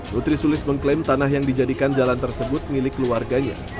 putri sulis mengklaim tanah yang dijadikan jalan tersebut milik keluarganya